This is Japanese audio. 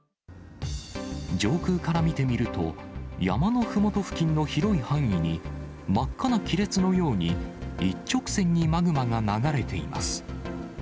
上空から見てみると、山のふもと付近の広い範囲に、真っ赤な亀裂のように一直線にマグマが流れています。